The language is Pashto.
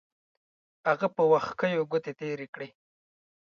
هغه په وښکیو ګوتې تېرې کړې.